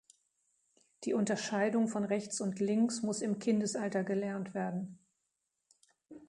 Die Unterscheidung von rechts und links muss im Kindesalter gelernt werden.